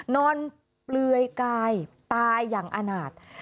นอนเปลือยกายตายอย่างอาณาจ